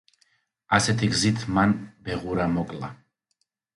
ასეთი გზით მან ბეღურა მოკლა.